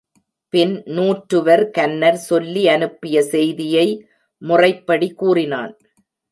பின்பு நூற்றுவர் கன்னர் சொல்லி அனுப்பிய செய்தியை முறைப்படி கூறினான்.